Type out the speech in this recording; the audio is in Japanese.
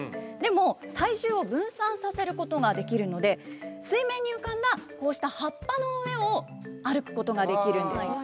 でも体重を分散させることができるので水面に浮かんだこうした葉っぱの上を歩くことができるんです。